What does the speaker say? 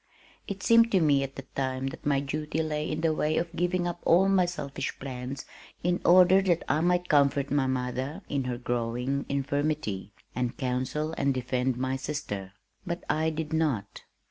It seemed to me at the time that my duty lay in the way of giving up all my selfish plans in order that I might comfort my mother in her growing infirmity, and counsel and defend my sister but I did not.